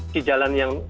di jalan yang